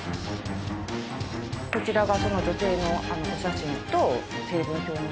こちらがその女性のお写真と成分表。